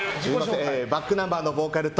ｂａｃｋｎｕｍｂｅｒのボーカルと。